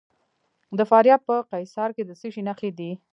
د فاریاب په قیصار کې د څه شي نښې دي؟